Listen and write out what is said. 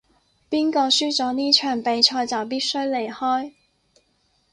邊個輸咗呢場比賽就必須離開